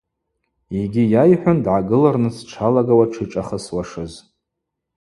Йгьи йайхӏвын, дгӏагылырныс дшалагауа дшишӏахысуашыз.